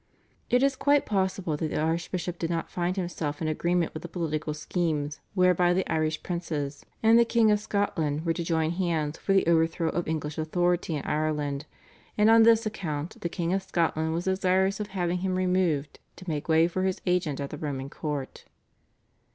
It is quite possible that the Archbishop did not find himself in agreement with the political schemes whereby the Irish princes and the King of Scotland were to join hands for the overthrow of English authority in Ireland, and on this account the King of Scotland was desirous of having him removed to make way for his agent at the Roman Court.